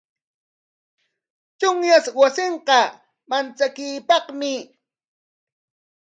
Chunyaq wasiqa manchakuypaqmi.